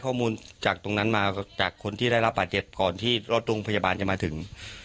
ข้อมูลจากตรงนั้นมาจากคนที่ได้รับบาดเจ็บก่อนที่รถโรงพยาบาลจะมาถึง